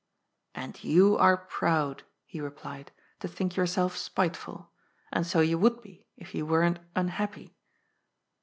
" And you are proud," he replied, " to think yourself spiteful. And so you would be, if you weren't unhappy."